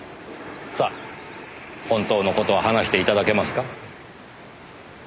さあ本当の事を話して頂けますか？